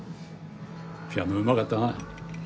ピアノうまかったな。